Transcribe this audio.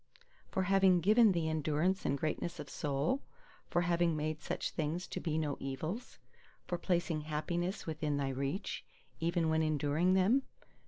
For having given thee endurance and greatness of soul? For having made such things to be no evils? For placing happiness within thy reach, even when enduring them?